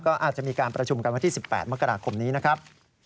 ก็อาจจะมีการประชุมกันวันที่๑๘มกราคมนี้นะครับ